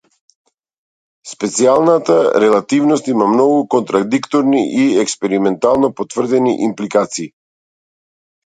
Специјалната релативност има многу контрадикторни и експериментално потврдени импликации.